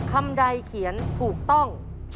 คำใดเขียนถูกต้อง